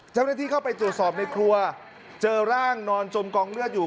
เจ้าหน้าที่เข้าไปตรวจสอบในครัวเจอร่างนอนจมกองเลือดอยู่